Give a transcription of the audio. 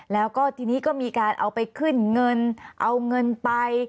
แล้วก็ทีนี้ก็มีการเอาไปขึ้นเงินเอาเงินไป